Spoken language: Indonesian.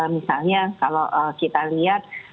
misalnya kalau kita lihat